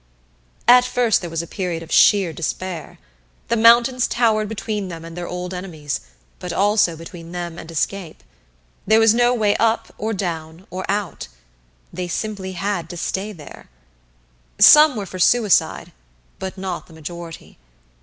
At first there was a period of sheer despair. The mountains towered between them and their old enemies, but also between them and escape. There was no way up or down or out they simply had to stay there. Some were for suicide, but not the majority.